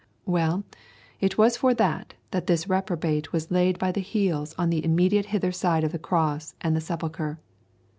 Well, it was for that that this reprobate was laid by the heels on the immediately hither side of the cross and the sepulchre.